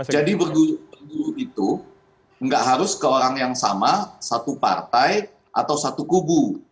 jadi berguru itu nggak harus ke orang yang sama satu partai atau satu kubu